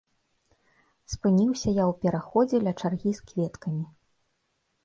Спыніўся я ў пераходзе ля чаргі з кветкамі.